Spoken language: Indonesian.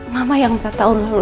lama yang empat tahun lalu